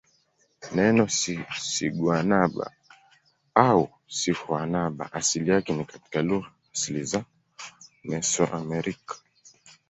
Neno siguanaba au sihuanaba asili yake ni katika lugha za asili za Mesoamerica.